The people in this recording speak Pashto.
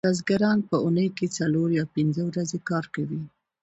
بزګران په اونۍ کې څلور یا پنځه ورځې کار کوي